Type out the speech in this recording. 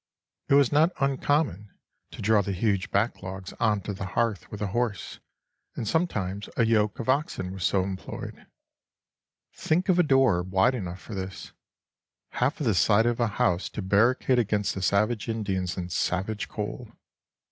It was not uncommon to draw the huge backlogs on to the hearth with a horse, and sometimes a yoke of oxen were so employed. Think of a door wide enough for this: half of the side of a house to barricade against the savage Indians and savage cold!